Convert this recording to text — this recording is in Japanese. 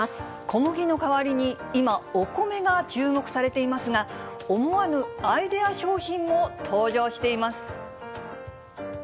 小麦の代わりに今、お米が注目されていますが、思わぬアイデア商品も登場しています。